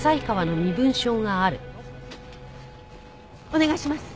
お願いします。